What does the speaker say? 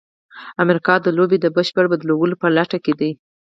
امریکا د لوبې د بشپړ بدلولو په لټه کې ده.